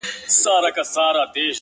په بوتلونو شـــــراب ماڅښلي _